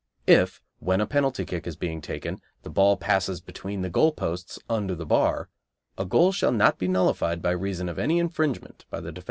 If, when a penalty kick is being taken, the ball passes between the goal posts under the bar, a goal shall not be nullified by reason of any infringement by the defending side.